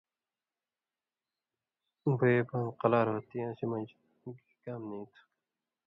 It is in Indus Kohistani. بُوئی بان قلار ہو تیں اسی مژ گی کام نی تُھو